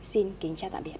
xin kính chào tạm biệt